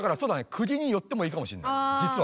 クギに寄ってもいいかもしんないじつは。